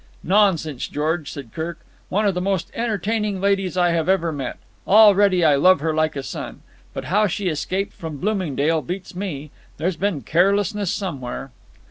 "Nonsense, George," said Kirk. "One of the most entertaining ladies I have ever met. Already I love her like a son. But how she escaped from Bloomingdale beats me. There's been carelessness somewhere."